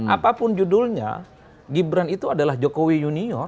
apapun judulnya gibran itu adalah jokowi junior